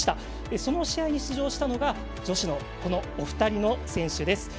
その試合に出場したのが女子のお二人の選手です。